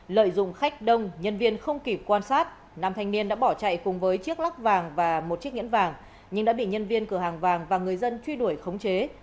lợi dụng khách đông nhân viên không kịp quan sát nam thanh niên đã bỏ chạy cùng với chiếc lắc vàng và một chiếc nhẫn vàng nhưng đã bị nhân viên cửa hàng vàng và người dân truy đuổi khống chế